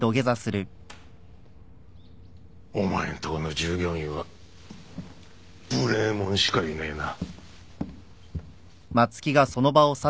お前のとこの従業員は無礼者しかいねえな。